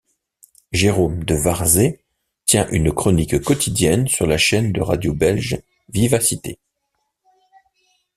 Jérôme de Warzée tient une chronique quotidienne sur la chaîne de radio belge VivaCité.